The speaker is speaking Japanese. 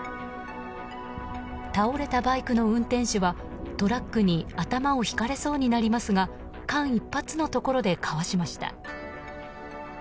倒れたバイクの運転手はトラックに頭をひかれそうになりますが間一髪のところでかわしました。